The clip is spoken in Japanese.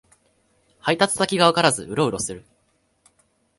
配達先がわからずウロウロする